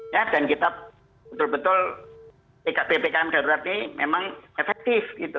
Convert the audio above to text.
ya dan kita betul betul pkp pkm darurat ini memang efektif